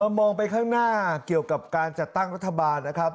มองไปข้างหน้าเกี่ยวกับการจัดตั้งรัฐบาลนะครับ